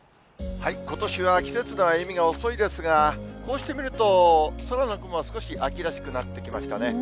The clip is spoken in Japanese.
ことしは季節の歩みが遅いですが、こうして見ると、空の雲は少し秋らしくなってきましたね。